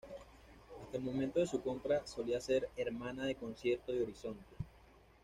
Hasta el momento de su compra, solía ser "hermana" de Concierto y Horizonte.